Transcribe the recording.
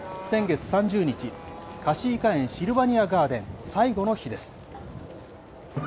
先月３０日、かしいかえん・シルバニアガーデン最後の日です。